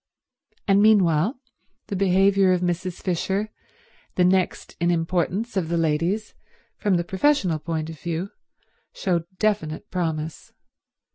And meanwhile the behaviour of Mrs. Fisher, the next in importance of the ladies from the professional point of view, showed definite promise.